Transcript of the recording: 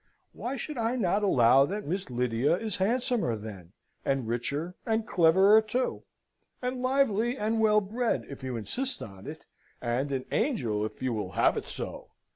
Why should I not allow that Miss Lydia is handsomer, then? and richer, and clever, too, and lively, and well bred, if you insist on it, and an angel if you will have it so?